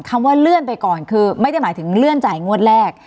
ว่าเลื่อนไปก่อนคือไม่ได้หมายถึงเลื่อนจ่ายงวดแรก